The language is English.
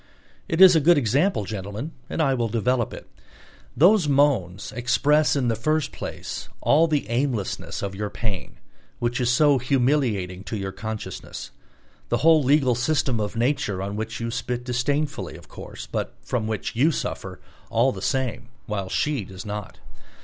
It is a good example, gentlemen, and I will develop it. Those moans express in the first place all the aimlessness of your pain, which is so humiliating to your consciousness; the whole legal system of nature on which you spit disdainfully, of course, but from which you suffer all the same while she does not.